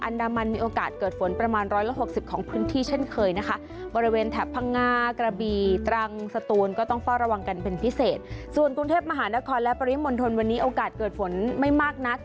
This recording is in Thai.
และปริมณฑลวันนี้โอกาสเกิดฝนไม่มากนัก